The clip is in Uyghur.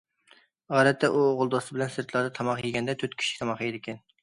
ئادەتتە ئۇ ئوغۇل دوستى بىلەن سىرتلاردا تاماق يېگەندە تۆت كىشىلىك تاماق يەيدىكەن.